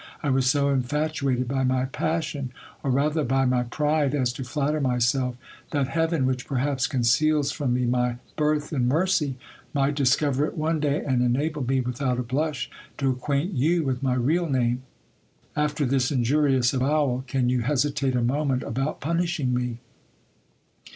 I was so infatuated by my passion, or rather by my pride, as to flatter myself that heaven, which perhaps conceals from me my birth in mercy, might discover it one day, and enable me without a blush to acquaint you with my real name. After this injurious avowal, can you hesitate j a moment about punishing me